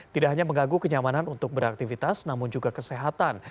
tidak hanya mengganggu kenyamanan untuk beraktivitas namun juga kesehatan